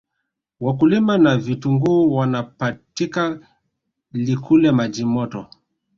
wakulima wa vitunguu wanapatika likule majimoto